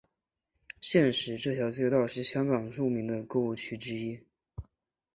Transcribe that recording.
现时这条街道是香港著名的购物区之一。